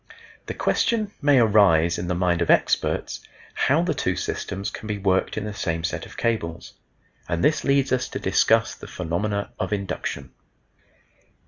The question may arise in the minds of experts how the two systems can be worked in the same set of cables, and this leads us to discuss the phenomena of induction.